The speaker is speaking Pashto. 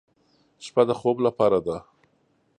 شپه د خوب لپاره ده.